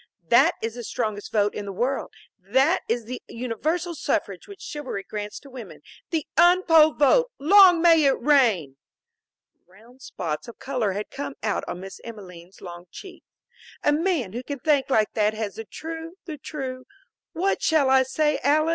That is the strongest vote in the world. That is the universal suffrage which chivalry grants to woman. The unpolled vote! Long may it reign!" Round spots of color had come out on Miss Emelene's long cheeks. "A man who can think like that has the true the true what shall I say, Alys?"